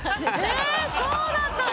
ええそうだったの？